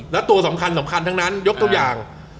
แล้วตัวสำคัญทั้งนั้นยกตัวอย่าง